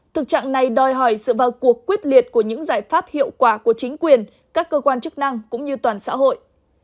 thực trạng này đòi hỏi sự vào cuộc quyết liệt của những giải pháp hiệu quả của chính quyền các cơ quan chức năng cũng như toàn xã hội